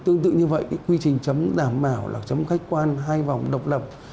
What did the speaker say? tương tự như vậy quy trình chấm đảm bảo là chấm khách quan hai vòng độc lập